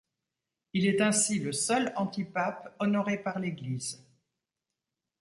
Il est ainsi le seul antipape honoré par l’Église.